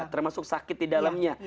termasuk sakit di dalamnya